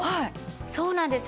そうなんです。